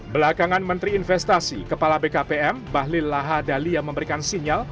belakangan menteri investasi kepala bkpm bahlil laha dali yang memberikan sinyal